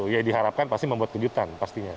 yang diharapkan pasti membuat kejutan